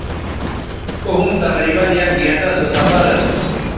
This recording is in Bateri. او ھُم تقریباً یک گھنٹہ سو سفراسو